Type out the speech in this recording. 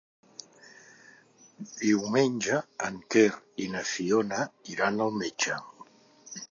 Diumenge en Quer i na Fiona iran al metge.